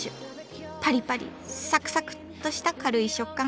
パリパリサクサクッとした軽い食感。